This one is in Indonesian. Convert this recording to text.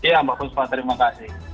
ya bagus pak terima kasih